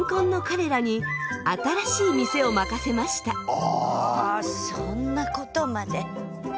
あそんなことまで。